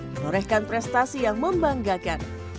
menorehkan prestasi yang membanggakan